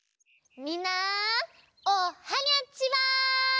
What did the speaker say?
みんなおはにゃちは！